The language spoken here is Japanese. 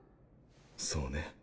そうね